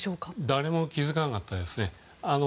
誰も気づかなかったですね。